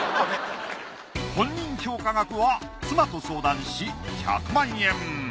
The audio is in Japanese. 本人評価額は妻と相談し１００万円。